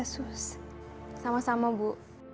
rasus sama sama bu